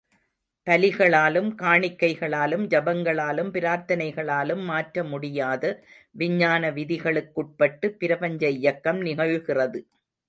பலிகளாலும், காணிக்கைகளாலும், ஜபங்களாலும், பிரார்த்தனைகளாலும் மாற்றமுடியாத விஞ்ஞான விதிகளுக்குட்பட்டு பிரபஞ்ச இயக்கம் நிகழ்கிறது.